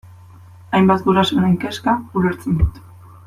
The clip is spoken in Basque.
Hainbat gurasoren kezka ulertzen du.